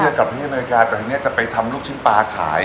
จะกลับที่อเมริกาแต่ทีนี้จะไปทำลูกชิ้นปลาขาย